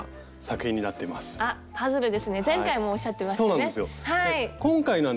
前回もおっしゃってましたね。